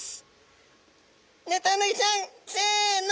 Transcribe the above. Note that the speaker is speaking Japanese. ヌタウナギちゃんせの！